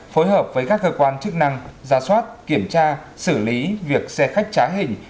phối hợp với các cơ quan chức năng gia soát kiểm tra xử lý việc xe khách trái hình